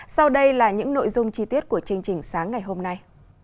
sau đây là những nội dung chi tiết của chương trình sáng ngày hôm nay